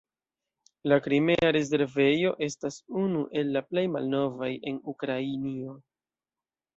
La Krimea rezervejo estas unu el la plej malnovaj en Ukrainio.